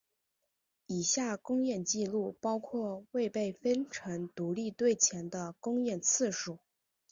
以下公演记录包括未被分成独立队前的公演次数。